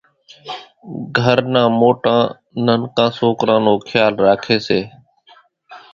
گھر نان موٽان ننڪان سوڪران نو کيال راکي سي